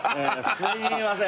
すいません。